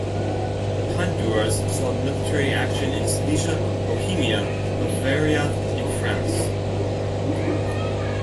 The Pandurs saw military action in Silesia, Bohemia, Bavaria and France.